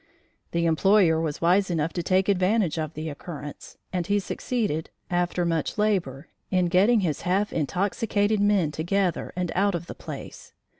The employer was wise enough to take advantage of the occurrence and he succeeded, after much labor, in getting his half intoxicated men together and out of the place.